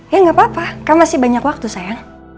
ya gapapa kan masih banyak waktu sayang